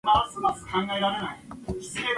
He was activated from the practice squad in October.